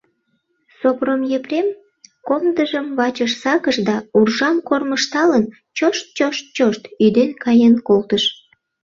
Сопром Епрем комдыжым вачыш сакыш да, уржам кормыжталын, чошт-чошт-чошт ӱден каен колтыш.